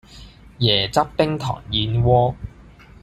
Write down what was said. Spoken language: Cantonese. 椰汁冰糖燕窩